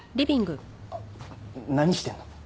あっ何してんの？